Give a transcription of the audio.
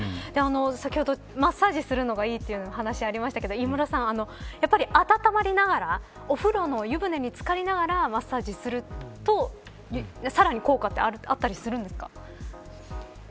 先ほどマッサ−ジをするのがいいというお話がありましたが飯村さん温まりながらお風呂の湯船につかりながらマッサージをするとさらに効果があったりするんですか。